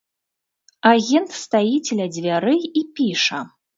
Агент стаіць ля дзвярэй і піша.